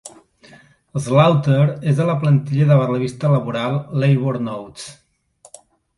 Slaughter és a la plantilla de la revista laboral Labor Notes.